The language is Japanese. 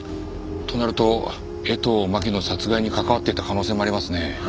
となると江藤真紀の殺害に関わっていた可能性もありますね。